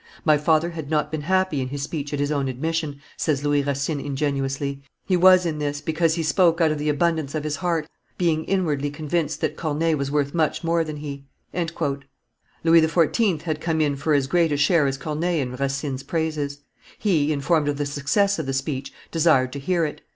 "My father had not been happy in his speech at his own admission," says Louis Racine ingenuously; "he was in this, because he spoke out of the abundance of his heart, being inwardly convinced that Corneille was worth much more than he." Louis XIV. had come in for as great a share as Corneille in Racine's praises. He, informed of the success of the speech, desired to hear it.